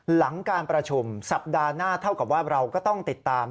หลังการประชุมสัปดาห์หน้าเท่ากับว่าเราก็ต้องติดตาม